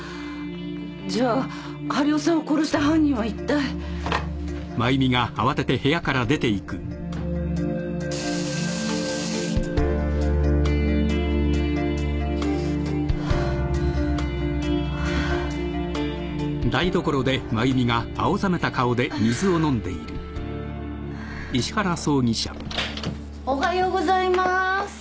じゃあ治代さんを殺した犯人はいったい？おはようございます。